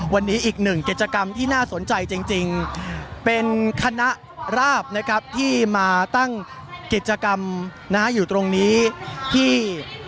วันนี้อีกหนึ่งกิจกรรมที่น่าสนใจจริงเป็นคณะราบนะครับที่มาตั้งกิจกรรมอยู่ตรงนี้ที่